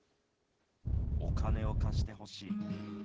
お金を貸してほしい。